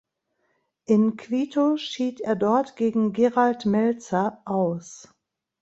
In Quito schied er dort gegen Gerald Melzer aus.